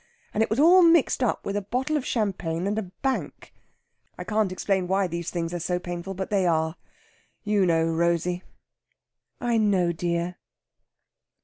And it was all mixed up with a bottle of champagne and a bank. I can't explain why these things are so painful, but they are. You know, Rosey!" "I know, dear."